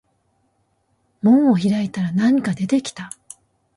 門を開いたら何か出てきた